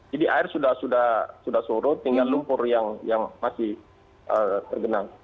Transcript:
jadi air sudah surut tinggal lumpur yang masih tergenang